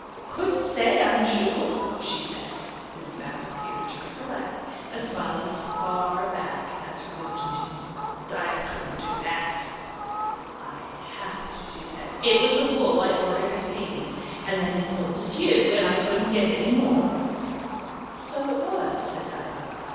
"Couldn't say, I'm sure," she said. Miss Mapp appeared to recollect, and smiled as far back as her wisdom teeth. (Diva couldn't do that.) "I have it," she said. "It was the wool I ordered at Heynes's, and then he sold it you, and I couldn't get any more." "So it was," said Diva.